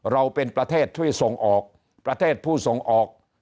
เราเป็นประเทศช่วยส่งออกประเทศผู้ส่งออก